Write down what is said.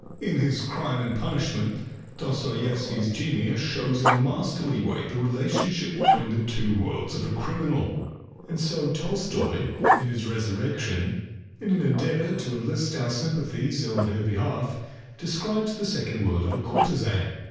In his "Crime and Punishment" Dostoyevsky's genius shows in a masterly way the relationship between the two worlds of a criminal. And so, too, Tolstoy, in his "Resurrection," in an endeavour to enlist our sympathies in her behalf, describes the second world of a courtesan.